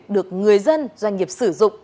được người dân doanh nghiệp sử dụng